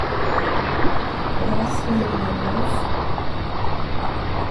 ¿Podrá salir de Reus?